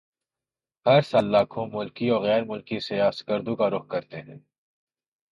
ہر سال لاکھوں ملکی وغیر ملکی سیاح سکردو کا رخ کرتے ہیں